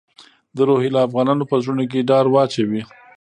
د روهیله افغانانو په زړونو کې ډار واچوي.